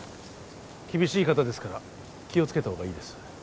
厳しい方ですから気をつけたほうがいいです